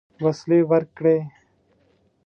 وسلې ورکړې.